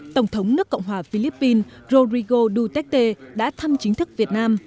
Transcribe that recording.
tổng thống nước cộng hòa philippines rodrigo duterte đã thăm chính thức việt nam